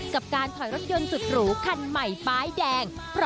กับการถอยรถยนต์สุดหรูคันใหม่ป้ายแดง